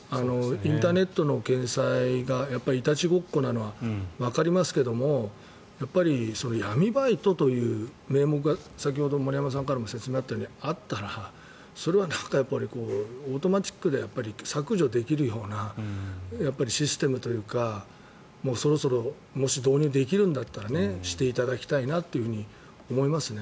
インターネットの掲載がいたちごっこなのはわかりますが闇バイトという名目が先ほど、森山さんからも説明があったように、あったらそれは、オートマチックで削除できるようなシステムというかそろそろもし、導入できるんだったらしていただきたいなと思いますね。